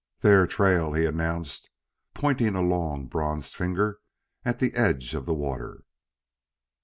"There trail," he announced, pointing a long, bronzed finger at the edge of the water.